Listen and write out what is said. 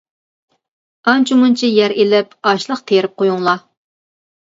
ئانچە مۇنچە يەر ئىلىپ ئاشلىق تىرىپ قويۇڭلار.